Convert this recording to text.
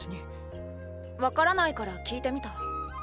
わからないから訊いてみた。